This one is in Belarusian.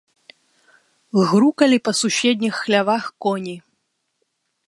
Грукалі па суседніх хлявах коні.